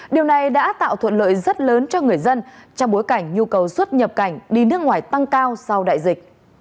điều này đã tạo thuận lợi rất lớn cho người dân trong bối cảnh nhu cầu xuất nhập cảnh đi nước ngoài tăng cao sau đại dịch